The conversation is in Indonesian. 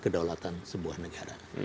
kedaulatan sebuah negara